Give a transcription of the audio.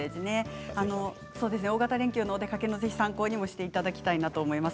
大型連休の旅行の参考にもしていただきたいなと思います。